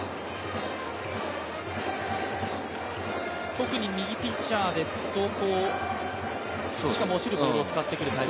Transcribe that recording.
特に右ピッチャーですと落ちるボールを使ってくる？